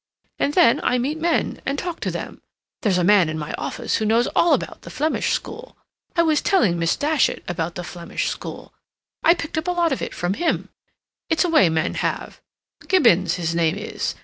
And then I meet men, and talk to them. There's a man in my office who knows all about the Flemish school. I was telling Miss Datchet about the Flemish school. I picked up a lot of it from him—it's a way men have—Gibbons, his name is.